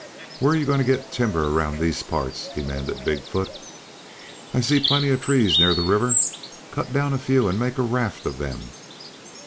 "Where you going to get timber around these parts?" demanded Big foot. "I see plenty of trees near the river. Cut down a few and make a raft of them."